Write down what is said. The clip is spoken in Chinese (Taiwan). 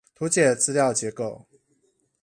圖解資料結構